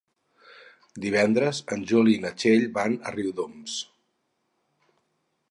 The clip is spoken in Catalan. Divendres en Juli i na Txell van a Riudoms.